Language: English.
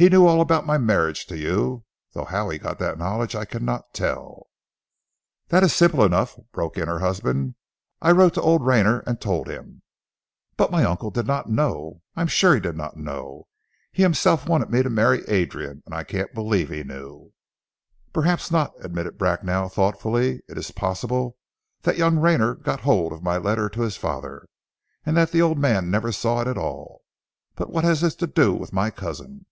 He knew all about my marriage to you, though how he got the knowledge I cannot tell " "That is simple enough!" broke in her husband. "I wrote to old Rayner and told him " "But my uncle did not know, I am sure he did not know. He himself wanted me to marry Adrian, and I can't believe he knew." "Perhaps not," admitted Bracknell thoughtfully. "It is possible that young Rayner got hold of my letter to his father and that the old man never saw it at all. But what has this to do with my cousin!"